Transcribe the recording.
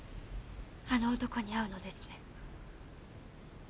あの男に会うのですね。